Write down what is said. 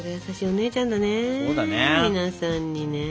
皆さんにね